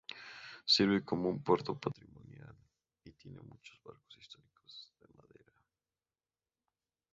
Sirve como un "puerto patrimonial", y tiene muchos barcos históricos de madera.